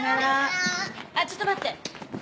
あっちょっと待って。